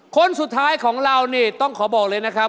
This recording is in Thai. คนสุดท้ายของเรานี่ต้องขอบอกเลยนะครับ